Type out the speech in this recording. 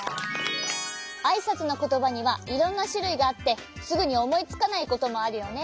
あいさつのことばにはいろんなしゅるいがあってすぐにおもいつかないこともあるよね。